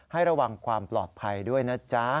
ให้ระวังความปลอดภัยด้วยนะจ๊ะ